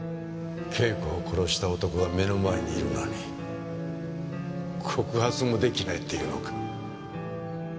景子を殺した男が目の前にいるのに告発も出来ないっていうのか？